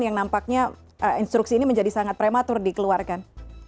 yang nampaknya instruksi ini menjadi sangat prematur dikeluarkan